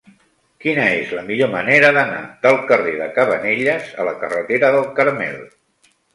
Quina és la millor manera d'anar del carrer de Cabanelles a la carretera del Carmel?